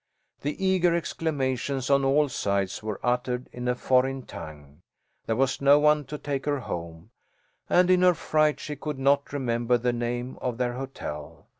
The eager exclamations on all sides were uttered in a foreign tongue. There was no one to take her home, and in her fright she could not remember the name of their hotel.